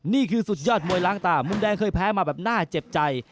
นี่คือสุดยอดมวยล้างตามุมแดงเคยแพ้มาแบบน่าเจ็บใจ